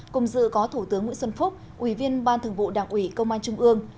cùng dự có thủ tướng nguyễn xuân phúc ủy viên ban thường vụ đảng ủy công an trung ương